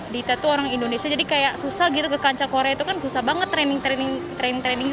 dita tuh orang indonesia jadi kayak susah gitu ke kancah korea itu kan susah banget training training training